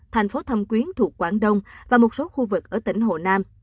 thành phố thâm quyến thuộc quảng đông và một số khu vực ở tỉnh hồ nam